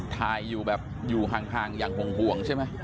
ถ่ายอยู่แบบอยู่ห่างอย่างห่วงใช่ไหม